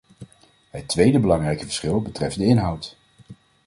Het tweede belangrijke verschil betreft de inhoud.